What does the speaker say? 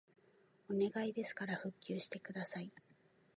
お願いですから復旧してください